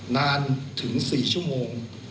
นานถึง๔ชั่วโมง